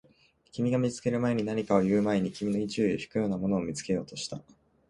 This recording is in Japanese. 君が見つける前に、何かを言う前に、君の注意を引くようなものを見つけようとした